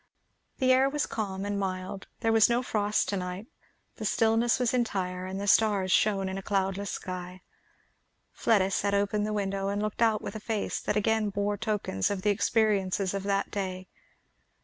The air was calm and mild; there was no frost to night; the stillness was entire, and the stars shone in a cloudless sky. Fleda set open the window and looked out with a face that again bore tokens of the experiences of that day.